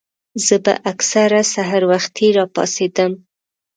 زۀ به اکثر سحر وختي راپاسېدم